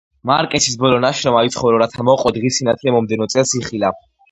მარკესის ბოლო ნაშრომმა „იცხოვრო, რათა მოყვე“ დღის სინათლე მომდევნო წელს იხილა.